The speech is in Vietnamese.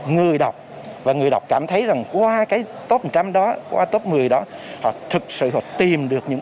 người đọc và người đọc cảm thấy rằng qua cái top một trăm linh đó qua top một mươi đó họ thực sự họ tìm được những